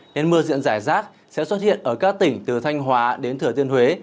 nên mưa diện rải rác sẽ xuất hiện ở các tỉnh từ thanh hóa đến thừa tiên huế